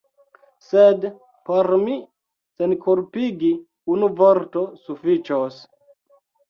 Sed por min senkulpigi unu vorto sufiĉos.